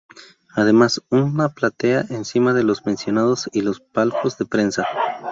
Además, una platea encima de los mencionados y los palcos de prensa.